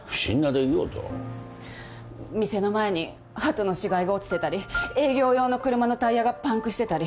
店の前にハトの死骸が落ちてたり営業用の車のタイヤがパンクしてたり。